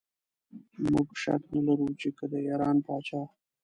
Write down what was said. موږ شک نه لرو چې که د ایران پاچا.